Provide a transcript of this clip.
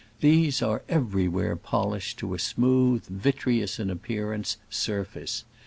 These are everywhere polished to a smooth, vitreous in appearance surface.